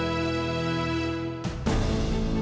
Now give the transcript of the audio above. ap nor seri berkatai repuku